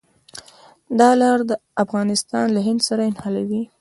دا لار افغانستان له هند سره نښلوي.